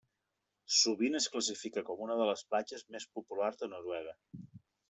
Sovint es classifica com una de les platges més populars de Noruega.